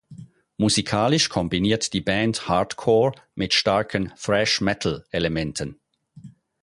Musikalisch kombiniert die Band Hardcore mit starken Thrash-Metal-Elementen.